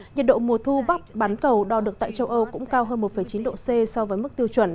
nhiệt độ mùa thu bắp bán cầu đo được tại châu âu cũng cao hơn một chín độ c so với mức tiêu chuẩn